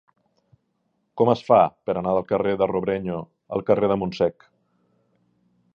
Com es fa per anar del carrer de Robrenyo al carrer del Montsec?